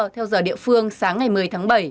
theo giờ địa phương sáng ngày một mươi tháng bảy